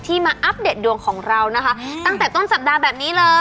มาอัปเดตดวงของเรานะคะตั้งแต่ต้นสัปดาห์แบบนี้เลย